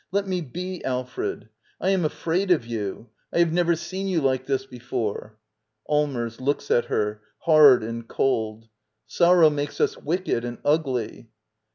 ] Let me be, Alfred ! I am afraid of you. I have never seen you like this before. Allmers. [Looks at her, hard and cold.] Sor row makes us wicked and ugly.